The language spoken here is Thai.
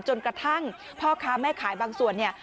จนกระทั่งพ่อค้าแม่ขายบางส่วนเนี่ย